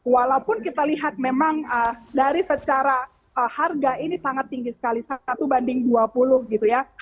walaupun kita lihat memang dari secara harga ini sangat tinggi sekali satu banding dua puluh gitu ya